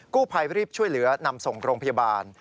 กู้ภัยรีบช่วยเหลือนำส่งโรงพยาบาล